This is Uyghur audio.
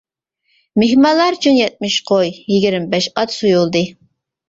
مېھمانلار ئۈچۈن يەتمىش قوي، يىگىرمە بەش ئات سويۇلدى.